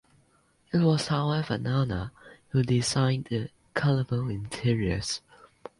It was however Nanna who designed the colourful interiors.